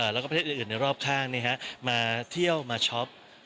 แล้วก็ประเทศอื่นในรอบข้างมาเที่ยวมาช็อป